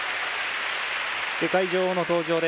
世界女王の登場です